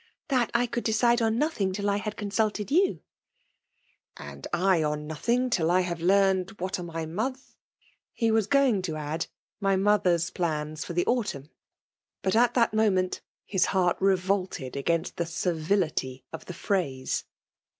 '^ That I could decide on nothing till I had consulted you.'* "'And I dn nothing, till I have learned what are my moth "^ he was going to add, '' my mother's plans for the autumn ;*' but at Hat fiunneiit, hs heart netolted a^Kiat 4te Borvility of the phrase.